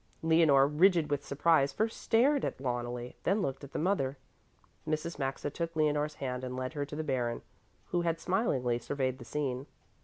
Leonore, rigid with surprise, first stared at Loneli, then looked at the mother. Mrs. Maxa took Leonore's hand and led her to the Baron, who had smilingly surveyed the scene.